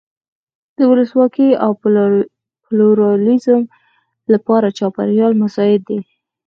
د ولسواکۍ او پلورالېزم لپاره چاپېریال مساعد دی.